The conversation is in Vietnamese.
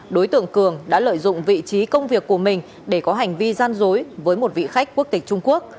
đối tượng cường đã lợi dụng vị trí công việc của mình để có hành vi gian dối với một vị khách quốc tịch trung quốc